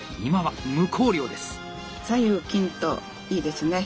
左右均等いいですね。